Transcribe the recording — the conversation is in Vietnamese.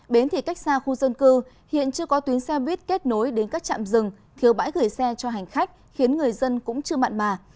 bến thì cách xa khu dân cư hiện chưa có tuyến xe buýt kết nối đến các trạm rừng thiếu bãi gửi xe cho hành khách khiến người dân cũng chưa mặn mà